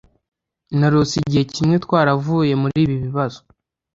narose igihe kimwe twaravuye muri ibi bibazo